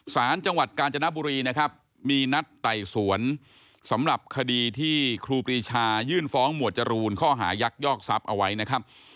สารจังหวัดกาญจนบุรีนะครับมีนัดไต่สวนสำหรับคดีที่ครูปรีชายื่นฟ้องหมวดจรูนข้อหายักยอกทรัพย์เอาไว้นะครับ